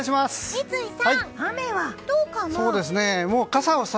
三井さん、雨はどうかな？